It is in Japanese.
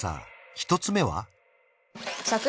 １つ目は？